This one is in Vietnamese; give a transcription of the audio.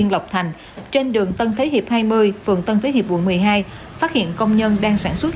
lộc thành trên đường tân thế hiệp hai mươi phường tân thế hiệp quận một mươi hai phát hiện công nhân đang sản xuất